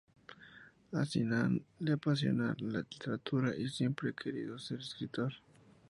A Sinan le apasiona la literatura y siempre ha querido ser escritor.